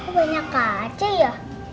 kok banyak kaca ya